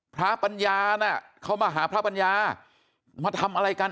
ปัญญาน่ะเขามาหาพระปัญญามาทำอะไรกัน